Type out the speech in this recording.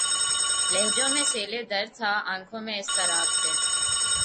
لہجوں میں سیلِ درد تھا‘ آنکھوں میں اضطراب تھے